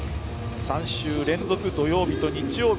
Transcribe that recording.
３週連続、土曜日と日曜日